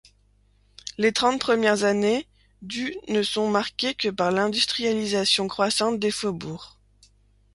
Les trente premières années du ne sont marquées que par l'industrialisation croissante des faubourgs.